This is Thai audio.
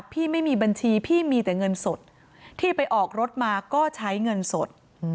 ไม่มีบัญชีพี่มีแต่เงินสดที่ไปออกรถมาก็ใช้เงินสด